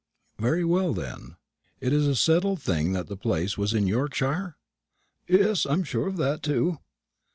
"Very well then. It is a settled thing that the place was in Yorkshire?" "Yes, I'm sure of that too."